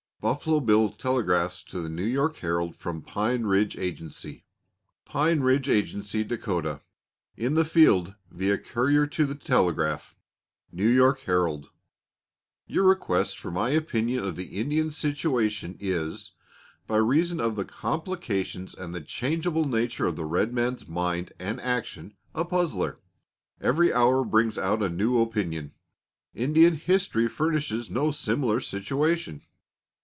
Buffalo Bill telegraphs to the New York Herald from Pine Ridge Agency: PINE RIDGE AGENCY, DAK., IN THE FIELD, via courier to telegraph. New York Herald: Your request for my opinion of the Indian situation is, by reason of the complications and the changeable nature of the red man's mind and action, a puzzler. Every hour brings out a new opinion. Indian history furnishes no similar situation.